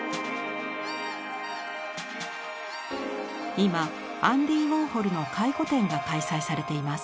今アンディ・ウォーホルの回顧展が開催されています。